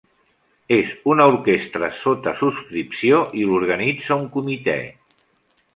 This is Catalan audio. És una orquestra sota subscripció i l'organitza un comitè.